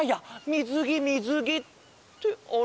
みずぎみずぎってあれ？